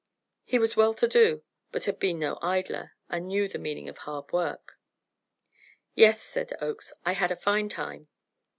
He was well to do, but had been no idler, and knew the meaning of hard work. "Yes," said Oakes, "I had a fine time."